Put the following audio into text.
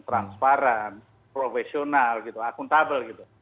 transparan profesional gitu akuntabel gitu